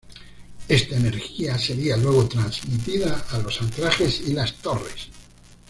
Esta energía sería luego transmitida a los anclajes y las torres.